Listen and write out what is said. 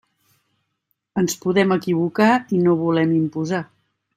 Ens podem equivocar i no volem imposar.